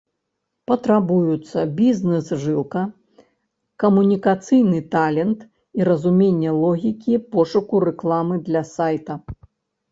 Патрабуюцца бізнэс-жылка, камунікацыйны талент і разуменне логікі пошуку рэкламы для сайта.